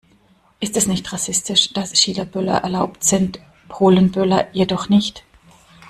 Ist es nicht rassistisch, dass Chinaböller erlaubt sind, Polenböller jedoch nicht?